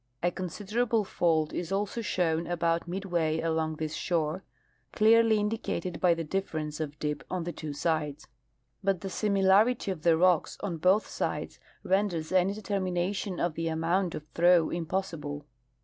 A considerable fault is also shown about midway along this shore, clearly indi cated by the difference of dip on the two sides ; but the simi larity of the rocks on both sides renders any determination of the amount of throw impossible.